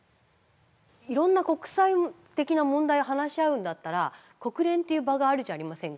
いろんな国際的な問題を話し合うんだったら国連っていう場があるじゃありませんか。